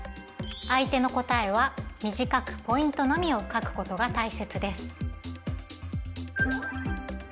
相手の答えは短くポイントのみを書くことがたいせつです。